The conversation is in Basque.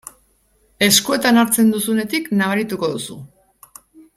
Eskuetan hartzen duzunetik nabarituko duzu.